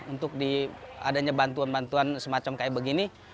untuk adanya bantuan bantuan semacam kayak begini